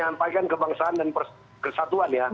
menyampaikan kebangsaan dan persatuan ya